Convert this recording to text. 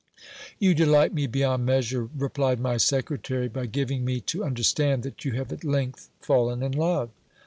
You delight me beyond measure, replied my secretary, by giving me to un derstand that you have at length fallen in love.